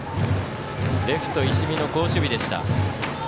レフト、石見の好守備でした。